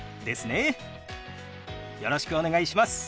よろしくお願いします。